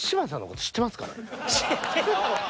知ってるだろう。